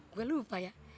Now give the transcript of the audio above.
gue lupa ya